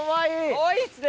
かわいいっすね。